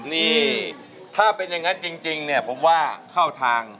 นี่ถ้าเป็นอย่างนั้นจริงเนี่ยผมว่าเข้าทาง